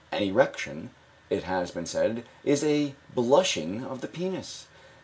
"An erection," it has been said, "is a blushing of the penis."